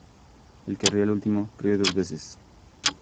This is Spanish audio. El que ríe el último, ríe dos veces